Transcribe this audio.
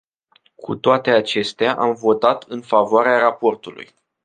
Cu toate acestea, am votat în favoarea raportului.